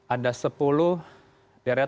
ada sepuluh deretan